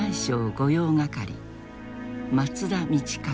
御用掛松田道一